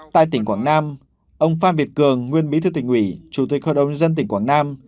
tại tỉnh quảng nam ông phan việt cường nguyên bí thư tỉnh ủy chủ tịch hội đồng nhân dân tỉnh quảng nam